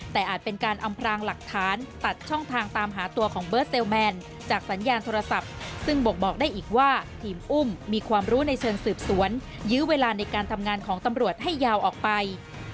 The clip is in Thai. แต่อาจเป็นการอำพรางหลักฐานตัดช่องทางตามหาตัวของเบิร์ดเซลแมนจากสัญญาณโทรศัพท์ซึ่งบ่งบอกได้อีกว่าทีมอุ้มมีความรู้ในเชิงสืบสวนยื้อเวลาในการทำงานของตำรวจให้ยาวออกไป